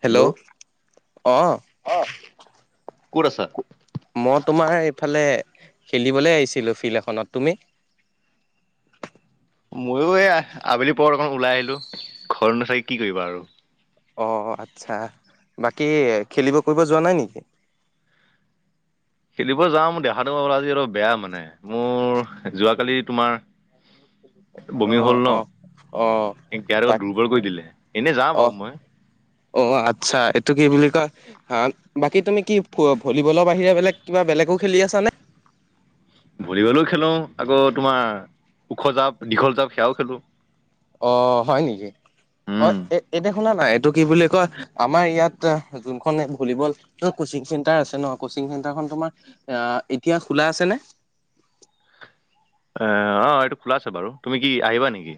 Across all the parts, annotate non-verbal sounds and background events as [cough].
Hello অহ, কত আছা। মই তোমাৰ এইফালে খেলিবলৈ আহিছিলোঁ ফিল্ড এখনত তুমি। ময়ো এই আবেলি পৰত অকন ওলাই আহিলো ঘৰত নো থাকি কি কৰিবা আৰু অহ আচ্ছা বাকী খেলিব কৰিব যোৱা নাই নেকি। [unintelligible] খেলিব যাওঁ ম দেখাটো বেয়া আজি অলপ বেয়া মানে মোৰ যোৱাকালি তোমাৰ। অ বমি হ'ল ন। অ অ এতিয়া তাক দুৰ্বল কৰি দিলে এনে যা অ বাৰু মই। অ আচ্ছা এইটো কি বুলি কয়। হা বাকী তুমি কি ভলীবলৰ বাহিৰে বেলে কিবা বেলেগো খেলি আছানে। ভলীবলো খেলো আকৌ তোমাৰ ওখ জাপ দীঘল জাপ সেয়াও খেলো। অ হয় নেকি অ উম, এ এতিয়া, শুনা নাই এইটো কি বুলি কয় আমাৰ ইয়াত যোনখননে ভলীবল কচিং চেণ্টাৰ আছে ন। [unintelligible] তোমাৰ এতিয়া খোলা আছে নে। আহ আহ এইটো খোলা আছে বাৰু তুমি কি আহিবা নেকি।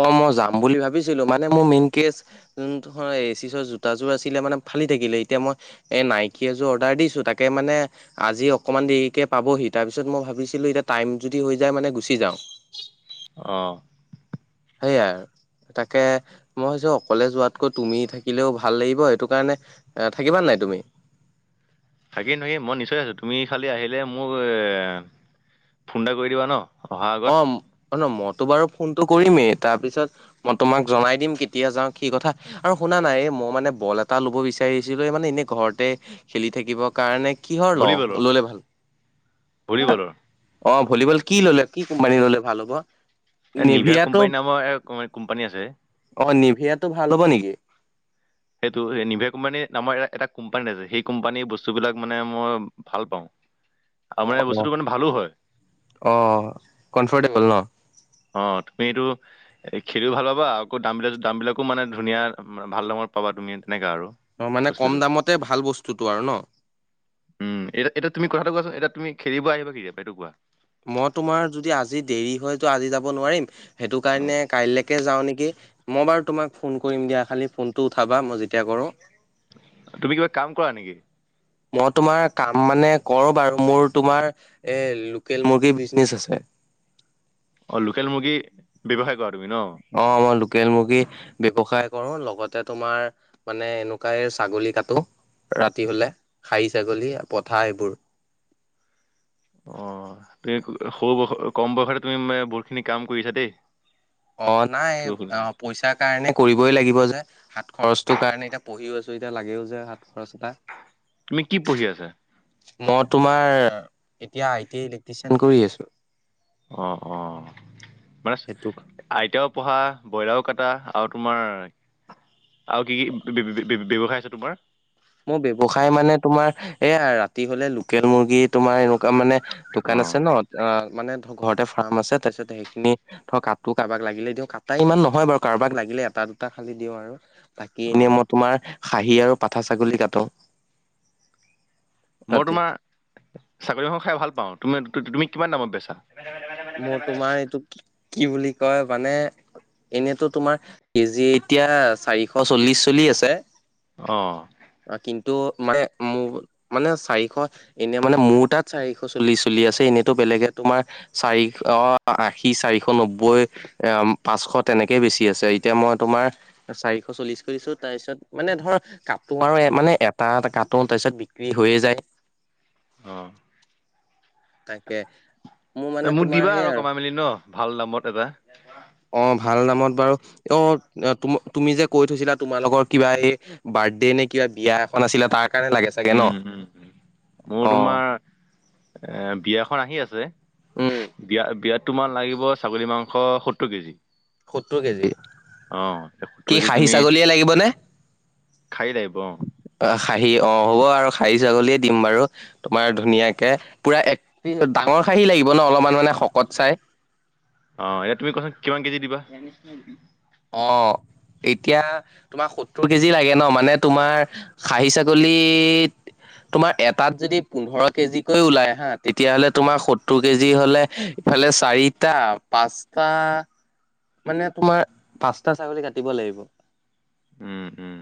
অ মই যাম বুলি ভাবিছিলো মানে মোৰ মেইন কেচ যোন এচিছৰ জোতাযোৰ আছিলে মানে ফালি থাকিলে এতিয়া মই এ নাইকিয় এযোৰ অৰ্ডাৰ দিছো তাকে মানে আজি অকনমান দেৰিকে পাবহি তাৰি, তাৰপিছত মই ভাবিছিলোঁ এতিয়া টাইম যদি হৈ যায় মানে গুচি যাওঁ। অ'। সেয়াই আৰু। তাকে মই ভাবিছোঁ অকলে যোৱাতকৈ তুমি থাকিলেও ভাল লাগিব সেইটো কাৰণে এ থাকিবা নাই তুমি। [inaudible] থাকিম থাকিম মই নিশ্চয় আছোঁ, তুমি খালি আহিলে মোক ফোন এটা কৰি দিবা ন। অহাৰ আগত। অ' অ' মই তো বাৰু ফোনটো কৰিমেই তাৰপিছত মই তোমাক জনাই দিম কেতিয়া যাওঁ কি কথা আৰু শুনা না এই মই মানে বল এটা ল'ব বিচাৰিছিলোঁ এই মানে এনেই ঘৰতে খেলি থাকিব কাৰণে কিহৰ লওঁ ভলীবলৰ ল'লে ভাল? হা ভলীবলৰ অ' ভলীবল কি ল'লে কি কোম্পানী ল'লে ভাল হ'ব? এ নিভা নিভিয়াটো কোম্পানী নামৰ কোম্পানী আছে। ভিয়াটো ভাল হ'ব নেকি? সেইটো নিভে কোম্পানী নামৰ এ এটা কোম্পানীত আছে সেই কোম্পানী বস্তুবিলাক মানে মই ভাল পাওঁ। আৰু অ মানে এই অ বস্তুটো মানে ভালো হয়। অ কমফৰ্টেবল ন অ' তুমি এইটো খেলিও ভাল পাবা আকৌ দাম বিলাক দাম বিলাকো মানে ধুনীয়া ভাল দামত পাবা তুমি। তেনেকা আৰু অ' মানে কম বস্তুটো দামতে ভাল বস্তুটো আৰু ন। উম এতিয়া এতিয়া তুমি কথাটো কোৱাচোন এতিয়া তুমি খেলিব আহিবা কেতিয়া এইটো কোৱা? মই তোমাৰ যদি আজি দেৰি হয়তো আজি যাব নোৱাৰিম। সেইটো অ কাৰণে কাইলৈকে যাওঁ নেকি। মই বাৰু তোমাক ফোন কৰিম দিয়া খালি ফোনটো উঠাবা মই যেতিয়া কৰোঁ। তুমি কিবা কাম কৰা নেকি? মই তোমাৰ কাম মানে কৰো বাৰু মোৰ তোমাৰ এ লোকেল মুৰ্গীৰ বিজনেচ আছে। অ লোকেল মুৰ্গী ব্যৱসায় কৰ অঁ মই লো কেল মুৰ্গী ব্যৱসায় কৰো লগতে তোমাৰ মানে এনেকুৱাই ছাগলী কাটো। ৰাতি হলে খাৰী ছাগলী পঠা এইবোৰ। [inaudible] অ তুমি সৰু বয়স কম বয়সতে তুমি মানে বহুতখিনি কাম কৰিছা দেই। অ নাই এইটো শুনি- অ পইচাৰ কাৰণে কৰিবই লাগিব যে, হাত খৰচটো কাৰণে এতিয়া পঢ়িও আছোঁ এতিয়া লাগেও যে হাত খৰচ এটা। তুমি কি পঢ়ি আছা? মই তোমাৰ এতিয়া আই টি আই ইলেক্ট্ৰিচিয়ান কৰি আছো। অ অ মানে সেইটো আই টিয়াও পঢ়া, ব্ৰইলাও কটা আৰু তোমাৰ আৰু কি কি বি বি বি বি ব্যৱসায় আছে তোমাৰ? মোৰ ব্যৱসায় মানে তোমাৰ এইয়া ৰাতি হলে লোকেল মুৰ্গী তোমাৰ এনকুৱা মানে দোকান আছে ন অ মানে ঘৰতে ফাৰ্ম আছে তাৰপিছত সেইখিনি ধৰ কাটো কাৰোবাক লাগিলে দিওঁ, কাটা ইমান নহয় বাৰু কাৰোবাক লাগিলে এটা দুটা খালি দিওঁ আৰু। বাকী এনে অ', মই তোমাৰ খাহী আৰু পাঠা ছাগলী কাটো। মই ৰাতি তোমাৰ ছাগলী মাংস খায় ভাল পাওঁ, তুমি তুমি কিমান দামত বেচা? মোৰ তোমাৰ এইটো কি কি বুলি কয় মানে এনেতো তোমাৰ কেজি এতিয়া চাৰিশ চল্লিশ চলি আছে অঁহ। ত' মানে মোৰ মানে চাৰিশ এনেই মানে মোৰ তাত চাৰিশ চল্লিশ চলি আছে। এনেইতো বেলেগে তোমাৰ চাৰিশ অ' আশী চাৰিশ নব্বৈ পাঁচশ তেনেকে বেছি আছে। এতিয়া মই তোমাৰ তোমাৰ চাৰিশ চল্লিশকে দিছোঁ তাৰপিছত মানে ধৰ কাটো আৰু মানে এটা এটা কাটো তাৰ পিছত বিক্ৰী হৈয়ে যায় অহ তাকে মোৰ এ মানে মোক তোমাৰ দিবা সেই আৰু কমাই মেলি ন ভাল দামত এটা। অ ভাল দামত বাৰু অ ত তুমি যে কৈ থৈছিলা তোমালোকৰ কিবা এই বাৰ্থডে নে কি বিয়া এখন আছিলে তাৰ কাৰণে লাগে চাগে ন উম হম হ মোৰ অ তোমাৰ এ বিয়াখন আহি আছে উম বিয়া বিয়াত তোমাৰ লাগিব ছাগলী মাংস সত্তৰ কেজি সত্তৰ কেজি অ', এতিয়া কি খাহী ছাগলীয়ে লাগিবনে খাহী লাগিব অ খাহি অ হ'ব আৰু খাহী ছাগলীয়ে দিম বাৰু তোমাৰ ধুনীয়াকে পুৰা এক পি ডা ঙৰ খাহী লাগিব ন অলপমান মানে শকত চাই অহ এতিয়া তুমি কোৱাচোন কিমান কেজি দিবা অ এতিয়া তোমাক সত্তৰ কেজি লাগে ন মানে তোমাৰ খাহী ছাগলীত তোমাৰ এটাত যদি পোন্ধৰ কেজিকৈ ওলাই হা তেতিয়া হলে তোমাৰ সত্তৰ কেজি হলে ফালে চাৰিটা পাঁচটা মানে তোমাৰ পাঁচটা ছাগলী কাটিব লাগিব উম উম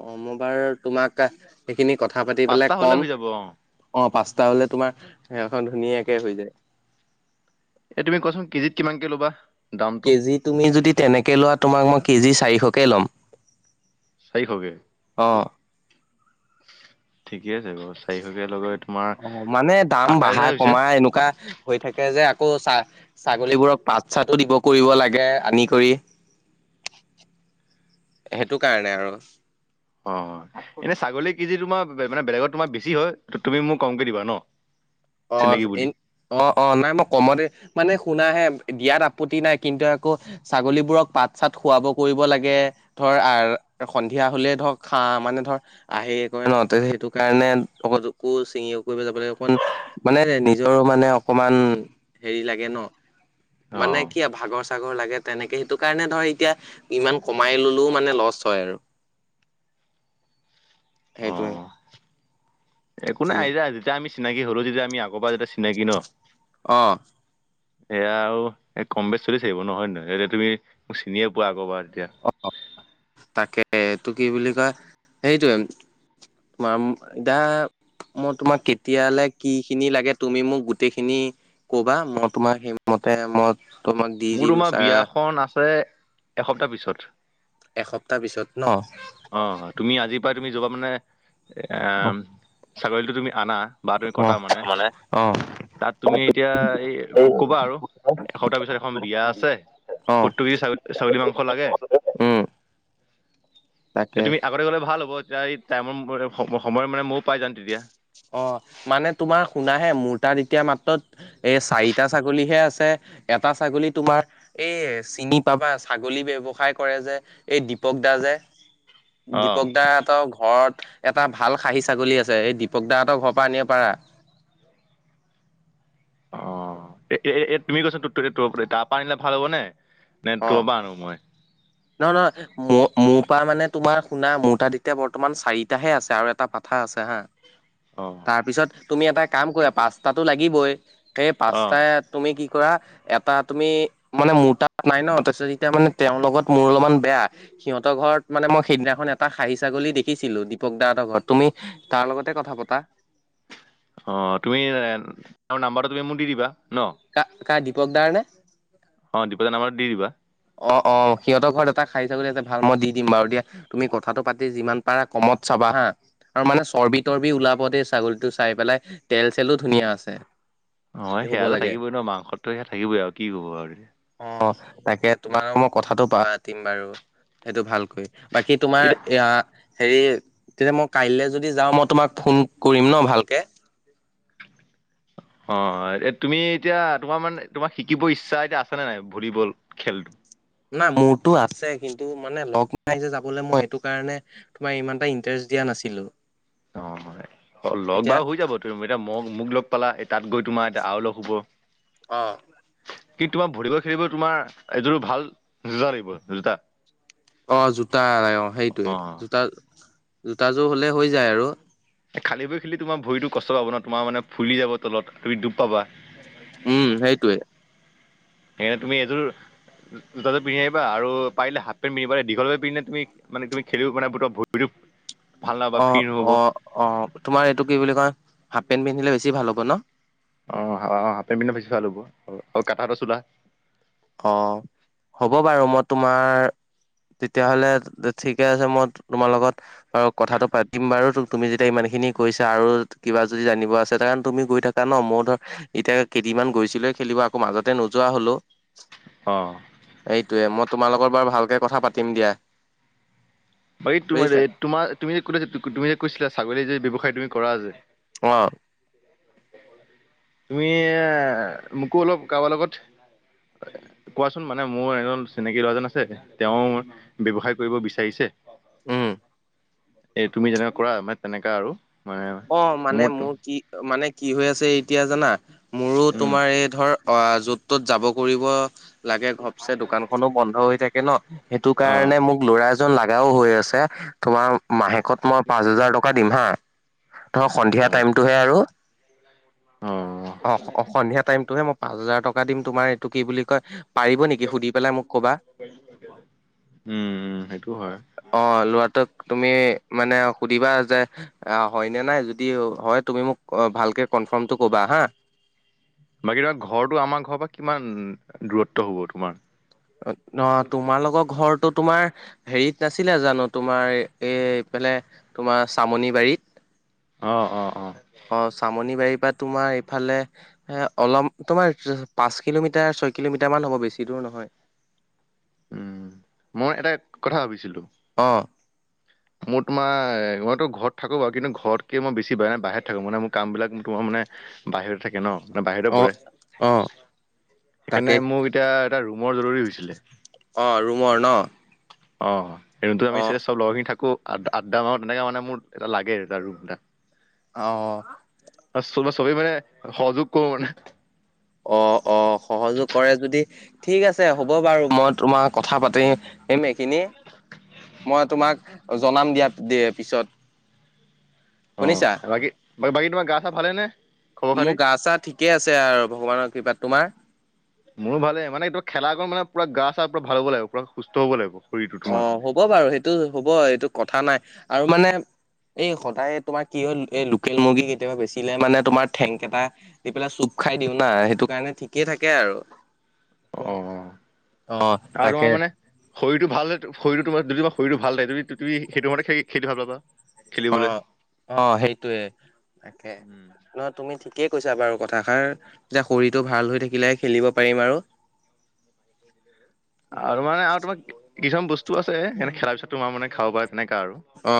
অ মই বাৰু তোমাক সেইখিনি কথা পাতি পাঁচটা পেলাই হ'লে কম হৈ যাব অ'। অ পাঁচ টা হলে তোমাৰ সেইখন ধুনীয়াকে হৈ যায় এ তুমি কোৱাচোন কেজিত কিমানকে ল'বা দামটো? কেজি তুমি যদি তেনেকে লোৱা তোমাক মই কেজি চাৰিশকে ল'ম চাৰিশকে অ। ঠিকে আছে বাৰু চাৰিশকে লগত অ মানে দাম বাঢ়া কমা এনেকুৱা হৈ থাকে যে আকৌ চাহ ছাগলীবোৰক পাত চাতো দিব কৰিব লাগে আনি কৰি সেইটো কাৰণে আৰু অ এনে ছাগলী কেজি তোমাৰ মানে বেলেগত তোমাৰ বেছি হয় তুমি মোক কমকে দিবা ন অ চিনাকি এ বুলি অ অ নাই মই কমতে মানে শুনাহে দিয়াত আপত্তি নাই কিন্তু আকৌ ছাগলীবোৰক পাত চাত খুৱাব কৰিব লাগে ধ ধৰ সন্ধিয়া হলে ধৰক খা মানে ধৰ আহি কৰে ন সেইটো কাৰণে চুকুৰ চিঙিকুৰি যাবাগে অকণমান মানে নিজৰো মানে অকমান হেৰি লাগে ন অ মানে কি ভাগৰ চাগৰ লাগে তেনেকে সেইটো কাৰণে ধৰ এতিয়া ইমান কমাই ললেও মানে লচ হয় আৰু [unintelligible] সেইটোৱে একো নাই তোমাৰ আইজা যেতিয়া আমি চিনাকি হলোঁ যেতিয়া আমি আগৰ পৰা যেতিয়া চিনাকি ন অঁ এয়া আৰু কম বেচ চলি থাকিব ন হয় নহয় এতিয়া তুমি মোক চিনিয়ে পোৱা আগৰবাৰ অ তাকে এটো কি বুলি কয় সেইটোয়ে মাৰ্ম দা মই তোমাক কেতিয়ালে কি খিনি লাগে তুমি মোক গোটেই খিনি কবা মই তোমাক সেই মতে মই তোমাক দি মোৰ দিম তোমাৰ বিয়াখন আছে এসপ্তাহ পিছত এসপ্তাহ পিছত ন। অহ তুমি আজিৰ পৰা তুমি যাবা মানে এ ছাগলিটো তুমি আনা বা তুমি অ কটা মানে অ তাত তুমি এতিয়া এই ক'বা আৰু এসপ্তাহ পিছত খম বিয়া আছে অ সুতটোগি ছাগ ছাগলী মাংস লাগে উম এ তাকে তুমি আগতে গ'লে ভাল হ'ব। এতিয়া এই টাইমৰ সময়ৰ মতে ময়ও পাই যাম তেতিয়া। অ' মানে তোমাৰ শুনাহে, মোৰ তাত এতিয়া মাত্ৰ এ চাৰিটা ছাগলীহে আছে। এটা ছাগলী তোমাৰ এই চিনি পাবা ছাগলী ব্যৱসায় কৰে যে এই দীপক। [unintelligible] অঁ দীপক দা'হতৰ ঘৰত এটা ভাল খাহী ছাগলী আছে। এই দীপক দাহতৰ ঘৰৰ পৰা আনিব পাৰা। অ' এ এ তুমি কৈছা তাৰ পৰা আনিলে ভাল হ'ব নে। নে তোমাৰ পৰা আনো মই। নহ নহয়, ম মোৰ পৰা মানে তোমাৰ শুনা মোৰ তাত এতিয়া বৰ্তমান চাৰিটাহে আছে আৰু এটা পাঠা আছে হা। অঁ তাৰপিছত তুমি এটা কাম কৰা পাচতাটো লাগিবই। সেই অঁ পাঁচটাই তুমি কি কৰা, এটা তুমি মানে মোৰ তাত তাত নাই ন, তাৰপিছত এতিয়া মানে তেওঁৰ লগত মোৰ অলমান বেয়া, সিহঁতৰ ঘৰত মানে মই সেইদিনাখন এটা খাহী ছা গলী দেখিছিলো, দীপক দাহতৰ ঘৰত। তুমি তাৰ লগতে কথা পতা। অ' তুমি তেওঁৰ নাম্বাৰটো তুমি মোক দি দিবা। ন কাৰ দীপক দাৰ নে? দীপক দাৰ নাম্বাৰটো দি দিবা। অ' অ' সিহঁতৰ ঘৰত এটা খাহী ছাগলী আছে, ভাল মই দি দিম বাৰু দিয়া তুমি কথাটো পাতি যিমান পাৰা কমত চা বা হা! আৰু মানে চৰ্বি-তৰ্বি ওলাব দেই ছাগলীটো চাই পেলাই তেল চলো ধুনীয়া আছে। অ' হ'ব সেয়াতো লাগে থাকিবই ন, মাংসতটো সেয়া থাকিবই আৰু কি কব আৰু। অ তাকে তোমাৰ মই কথাাতটো পাতিম বাৰু সেইটো ভালকৈ বাকী তোমাৰ এতিয়া এয়া। হেৰি তেতিয়া মই কাইলৈ যদি যাওঁ মই তোমাক ফোন কৰিম ন ভালকে। অ এ তুমি এতিয়া তোমাৰ মানে তোমাক শিকিব ইচ্ছা এতিয়া আছ নে নাই ভলীবল খেলটো। নাই মোৰতটো আছে কিন্তু মানে লগ নাই যে যাবলৈ মই সেইটো কাৰণে তোমাৰ ইমানটা ইন্ৰেষ্ট। দিয়া নাছিলো। অ হয় লগ এতিয়া বাৰ হৈ যাব তুম এতিয়া ম। মোক লগ পালা তাত গৈ তোমাৰ এতিয়া আৰু লগ হুব। আহ। কিন্তু তোমাক ভৰিব খেলিব তোমাৰ এইযোৰ ভাল যোজা লাগিব জোতা। অ জোতা অ সেইটোৱে অ। জোতা জোতাযোৰ হ'লে হৈ যায় আৰু। খাল বৈ খেলি তোমাৰ ভৰিতো কষ্ট পাব ন তোমাৰ মানে ফুলি যাব তলত তুমি ডব পাবা। উম সেইটোৱে। সেইকাৰে তুমি এযোৰ। ল পিন্ধিবা পাৰিলে হাফ পেণ্ পিন্ধিবা দীঘল পিন্ধে তুমি মে তুম খিন ভ। হয়। অ অ অ তোমাৰ এইটো কি বুলি কয় হাফ পেণ্ট পিন্ধিলে বেছি ভাল হ'ব ন। অ আহ হ পে পিনে ভেচি চাই ল'ব কাটা এটা চোলা। অ হ'ব বাৰু মই তোমাৰ। তেতিয়াহলে ঠিকে আছে মই তোমাৰ লগত আৰু কথাটো পাতিম বাৰু তুমি যেতিয়া ইমান। সেই খিনি কৰিৈছে আৰু কিবা যদি জানিব আছে কাৰণে তুমি গৈ থাকা ন মই ধৰ এতিয়া কেইদিনমান গৈছিলো। খেলিব আকৌ মাজতে নোযোৱা হলেও। অ। এইটোৱে মই তোমালোকৰ বাৰু ভালকে কথা পাতিম দিয়া। বাকী তমাৰ বুজিছা তোমাৰ তুমি যে কো তুমি যে কৈছিলা ছাগলী যেসায় তুমি কৰা যে। অঁ। তুমি এ মোকো অলপ কাৰবাৰ লগত। কোৱাচোন মানে মোৰ এজন চিনাকী লৰাজন আছে তেওঁ ব্যৱসায় কৰিব বিচাৰিছে। উম। এ তুমি যেনেককাা কৰা মানে তেনেকা আৰু। মানে অ মানে মোৰ কি মানে। কি হৈ আছে এতিয়া জানা মোৰো উম তোমাৰ এই ধৰ আহ য'ত তত যাব কৰিব। লাগে ঘপচে দোকান খনো বন্ধ হৈ থাকে ন সেইটো অ কাৰণে মোক ল'ৰা এজন লাগে। ও হৈ আছে তোমাৰ মাহেকত মই পাঁচ হেজাৰ টকা দিম হা ধৰ সন্ধিয়া অ অ টাইমটোহে আৰু উম অ অ সন্ধিয়া টাইমতটোহে মই পাঁচ হাজাৰ টকা দিম তোমাৰ এইটো কি বুলি কয় পাৰিব নেকি সুধি পেলাই মোক ক'বা উম উম সেইটো হয় অ লৰাটোক তুমি মানে সুধিবা যে অ হয়নে নাই যদি হয় তুমি মোক ভালকে কনফাৰ্মটো ক'বা হা বাকী ধৰা ঘৰটো আমাৰ ঘৰৰ পৰা কিমান দূৰত্ব হব তোমাৰ অ অ তোমালোকৰ ঘৰত তো তোমাৰ হেৰিত নাছিলে জানো তোমাৰ এইফালে তোমাৰ চামনি বাৰীত অ' অ' অ'। অ', চামনি বাৰীৰ তোমাৰ এইফালে এ' অলপ তোমাৰ পাঁচ কিলোমিটাৰ ছয় কিলোমিটাৰ মান হ'ব বেছি দূৰ নহয়। উম, মই এটা কথা ভাবিছিলো। অ'। মোৰ তোমাৰ মইতো ঘৰত থাকো বাৰু কিন্তু ঘৰতকে মই বেছি ব নাই বাহিৰত থাকো মান মোৰ কাম বিিলাক ম তোমাৰ ম মানে বাহিৰত থাকে ন। বাহিৰ অ', পৰে অ', তাকে সেইকাৰণে মোক এতিয়া এটা ৰুমৰ জৰুৰী হৈছিলে। অ' ৰুমৰ ন? অ' এই ৰুণটো আমি অ', চব লগৰখিনি থাকো। আ- আদড মাহত তেনেকে মানে মোৰ এটা লাগে আৰুটা ৰুম এটা [inaudible] অঁ। াৰ চবেই মানে সযোগ কৰো মানে [inaudible] অঁ অঁ। সহযোগ কৰে যদি ঠিক আছে হ'ব বাৰু মই তোমাক কথা পাতিম এইখিনি মই তোমাক জনাম দিয়া পিছত। অ শুনিছা? বাকী বাকী তোমাৰ গা - চা ভালেই নে? খবৰ খাতি মোৰ গা- চা ঠিকে আছে আৰু ভগৱানৰ কৃিবা তোমাৰ? মোৰো ভালে মানে খেলা মানে পুৰা গা চা পৰা ভাল হ'ব লাগিব পুৰা সুস্থ হ'ব লাগিব। শৰীৰটো অ তোমাৰ হ'ব বাৰু সেইটো হ'ব এইটো কথা নাই আৰু মানে এই সদায় তোমাৰ কি হল এই লোকেল মুৰ্গী কেতিয়াবা বেচিলে মানে তোমাৰ ঠেংক এটা দি পেলাই চু খাই দিও না সেইটো কাৰণে ঠিকেই থাকে আৰু। অ অ' তাকে। শৰটো ভাল শৰটো ত যদি তোমাৰ শীৰটো ভাল লেদি তুমি সেইটো মতে খেতি ভাল পাবা [inaudible] অ অ সেইটোয়ে তাকে উম। নহ তুমি ঠিক কি কৈছা বাৰু কথাষাৰ তেতিয়া শৰীৰটো ভাল হৈ থাকিলেহে খেলিব পাৰিম আৰু। আৰু মানে আৰু তোমাৰ কিছুমান বস্তু আছে এনে খেলাৰ পিছত তোমাৰ মানে খাব প এনেকাা আৰু অ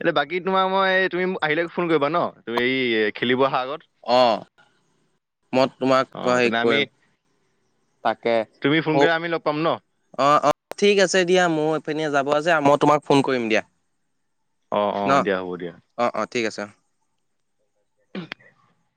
এতিয়া বাকী তোমাৰ মই তুমি আহিলে ফোন কৰিবা ন তুমি এই খেলিব? অহাৰ আগত। অ, মই তোমাক অ হেৰি তেনে আমি কৰিম তাকে তুমি ফোন অ কৰিলে আমি লগ পাম ন অ অ ঠিক আছে দিয়া মোৰ এইফপিনি যাব আছে মই তোমাক ফোন কৰিম দিয়া অ, অ, ন দিয়া, হ'ব দিয়া। অ অ ঠিক আছে [unintelligible]